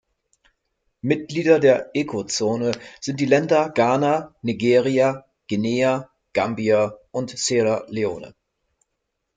Mitglieder der „Eco-Zone“ sind die Länder Ghana, Nigeria, Guinea, Gambia und Sierra Leone.